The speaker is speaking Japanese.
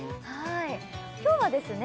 今日はですね